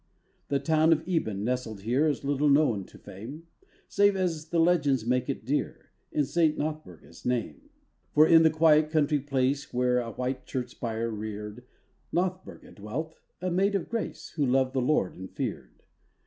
The town of Eben nestled here Is little known to fame, Save as the legends make it dear, In Saint Nothburga's name. For in this quiet country place, Where a white church spire reared, Nothburga dwelt, a maid of grace Who loved the Lord and feared.